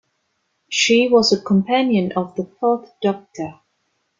She was a companion of the Fourth Doctor.